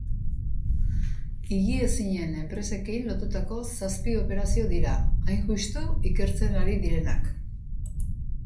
Higiezinen enpresekin lotutako zazpi operazio dira, hain justu, ikertzen ari direnak.